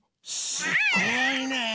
すごいね。